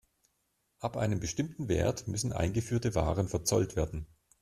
Ab einem bestimmten Wert müssen eingeführte Waren verzollt werden.